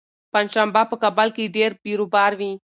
پنجشنبه په کابل کې ډېر بېروبار وي.